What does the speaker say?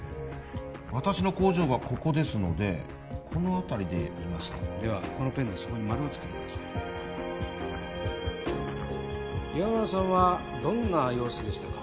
私の工場がここですのでこの辺りで見ましたではこのペンでそこに丸をつけてください岩村さんはどんな様子でしたか？